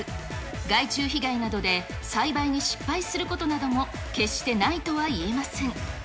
害虫被害などで栽培に失敗することなども決してないとは言えません。